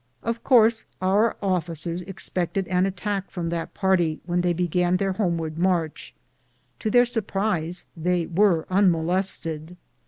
Of course our officers expected an attack from that party when they began their homeward march ; to their sur prise, they were unmolested.